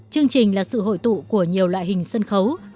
chương trình là sự hội tụ của nhiều loại hình sân khấu